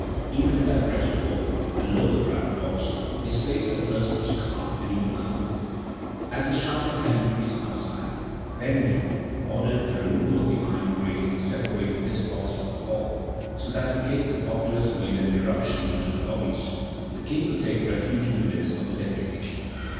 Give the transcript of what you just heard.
Even in that wretched hole, the Logograph box, his face at first was calm and even confident. As the shouting had increased outside, Vergniaud ordered the removal of the iron grating separating this box from the hall, so that in case the populace made an irruption into the lobbies, the King could take refuge in the midst of the deputies.